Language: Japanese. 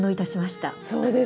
そうですね。